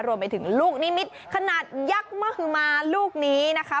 รวมไปถึงลูกนิมิตรขนาดยักษ์มหมาลูกนี้นะคะ